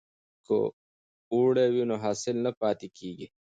که اوړی وي نو حاصل نه پاتیږي.